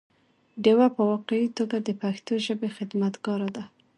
ډيوه په واقعي توګه د پښتو ژبې خدمتګاره ده